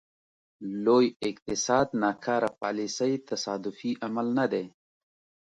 لوی اقتصاد ناکاره پالیسۍ تصادفي عمل نه دی.